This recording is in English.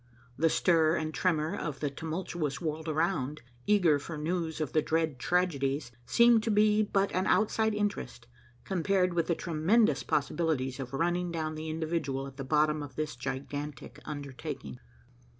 The stir and tremor of the tumultuous world around, eager for news of the dread tragedies, seemed to be but an outside interest, compared with the tremendous possibilities of running down the individual at the bottom of this gigantic undertaking.